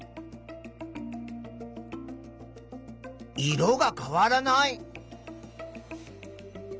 色が変わらない。